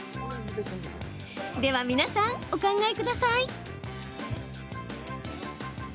では皆さん、お考えください。